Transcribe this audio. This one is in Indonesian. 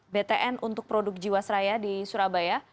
btn untuk produk jiwasraya di surabaya